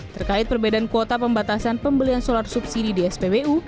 terkait perbedaan kuota pembatasan pembelian solar subsidi di spbu